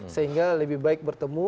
sehingga lebih baik bertemu